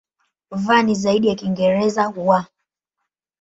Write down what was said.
V ni zaidi ya Kiingereza "w".